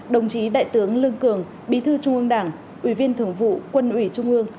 đồng chí đại tướng lương cường bí thư trung ương đảng ủy viên thường vụ quân ủy trung ương